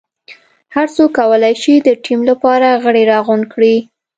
هر څوک کولای شي د ټیم لپاره غړي راغونډ کړي.